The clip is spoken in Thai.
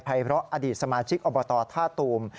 ภัยเลาะอดีตสมาชิกอบตท่าตูม